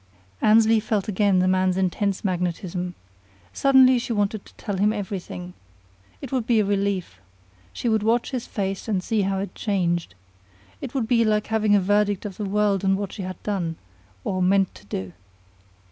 Annesley felt again the man's intense magnetism. Suddenly she wanted to tell him everything. It would be a relief. She would watch his face and see how it changed. It would be like having the verdict of the world on what she had done or meant to do.